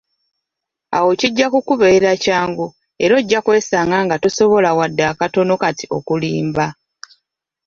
Awo kijja kukubeerera kyangu era ojja kwesanga nga tosobola wadde akatono kati okulimba.